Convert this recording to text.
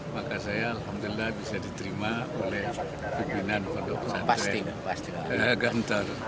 maka saya alhamdulillah bisa diterima oleh pimpinan pondok pesantren